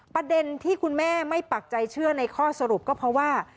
ประเด็นที่คุณแม่ไม่ปักใจเชื่อในข้อสรุปก็เพราะว่า